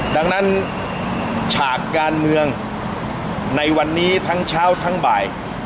ดังนั้นฉากการเมืองในวันนี้ทั้งเช้าทั้งบ่าย